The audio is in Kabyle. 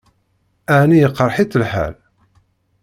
Ɛni iqṛeḥ-itt lḥal?